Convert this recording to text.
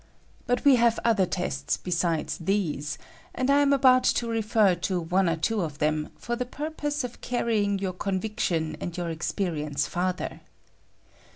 But we have other testa besides these, and I am about to refer to one or two of them for the purpose of carrying your conviction and yonr experience farther.